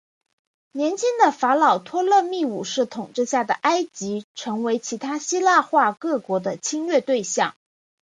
年轻的法老托勒密五世统治下的埃及成为其他希腊化各国的侵略对象。